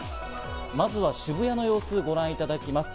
まずは渋谷の様子をご覧いただきます。